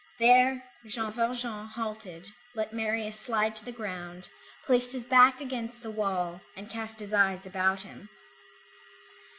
There Jean Valjean halted, let Marius slide to the ground, placed his back against the wall, and cast his eyes about him.